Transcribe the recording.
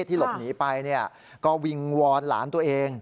ที่หลบหนีไปก็วิงวอนหลานตัวเอง